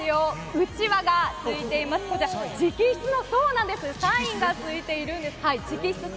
うちわがついていまして直筆のサインがついているんです。